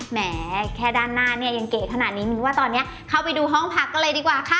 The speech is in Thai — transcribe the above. แหมแค่ด้านหน้าเนี่ยยังเก๋ขนาดนี้มิ้นว่าตอนนี้เข้าไปดูห้องพักกันเลยดีกว่าค่ะ